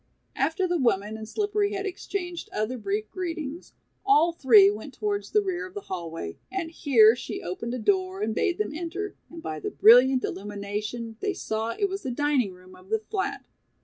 After the woman and Slippery had exchanged other brief greetings all three went towards the rear of the hallway, and here she opened a door and bade them enter, and by the brilliant illumination they saw it was the dining room of the fiat.